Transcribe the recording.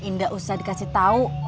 nggak usah dikasih tahu